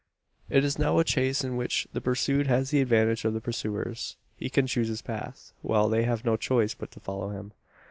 It is now a chase in which the pursued has the advantage of the pursuers. He can choose his path; while they have no choice but to follow him.